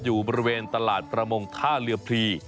อยู่บริเวณตลาดประมงท่าเรือพรี